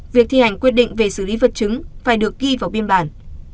việc thi hành quyết định về xử lý vật chứng phải được ghi vào biên bản